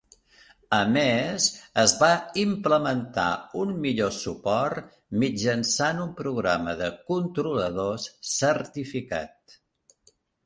A més, es va implementar un millor suport mitjançant un programa de controladors certificat.